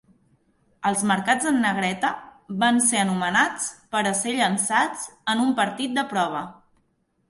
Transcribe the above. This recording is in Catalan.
Els marcats en negreta van ser anomenats per a ser llançats en un partit de prova.